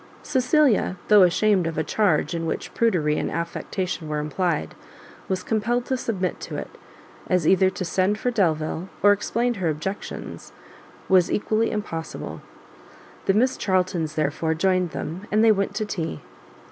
Cecilia, though ashamed of a charge in which prudery and affectation were implied, was compelled to submit to it, as either to send for Delvile, or explain her objections, was equally impossible. The Miss Charltons, therefore, joined them, and they went to tea.